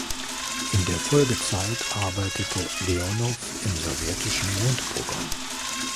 In der Folgezeit arbeitete Leonow im sowjetischen Mondprogramm.